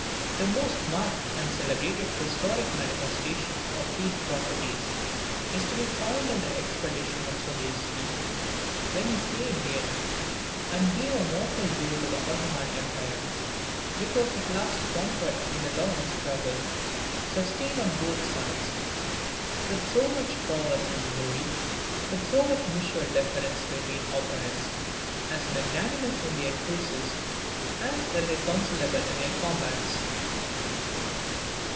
The most marked and celebrated historic manifestation of these properties is to be found in the expedition of Sobieski when he saved Vienna, and gave a mortal blow to the Ottoman Empire, which was at last conquered in the long struggle, sustained on both sides with so much prowess and glory, with so much mutual deference between opponents as magnanimous in their truces as irreconcilable in their combats.